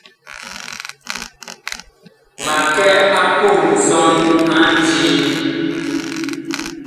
Ma kɛ a puh nsɔn a ndii.